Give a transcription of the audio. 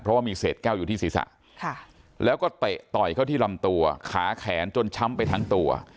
เพราะว่ามีเศษแก้วอยู่ที่ศีรษะแล้วก็เตะต่อยเข้าที่ลำตัวขาแขนจนช้ำไปทั้งตัว